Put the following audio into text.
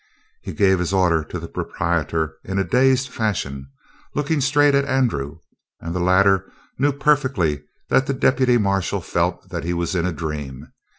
He gave his order to the proprietor in a dazed fashion, looking straight at Andrew, and the latter knew perfectly that the deputy marshal felt that he was in a dream.